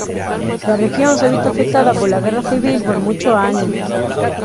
La región se ha visto afectada por la guerra civil por muchos años.